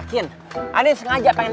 karena sekarang dari usia ini